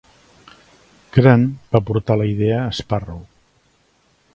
Grant va portar la idea a Sparrow.